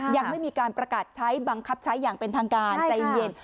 ยังไม่มีการประกาศใช้บังคับใช้อย่างเป็นทางการใจเย็น